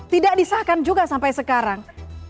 tidak disahkan juga sampai sekarang